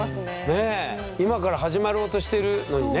今から始まろうとしてるのにね。